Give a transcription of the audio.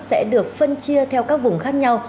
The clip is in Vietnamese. sẽ được phân chia theo các vùng khác nhau